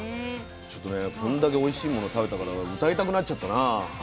ちょっとねこんだけおいしいもの食べたから歌いたくなっちゃったな。